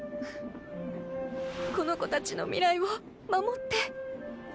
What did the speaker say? この子たちの未来を守って。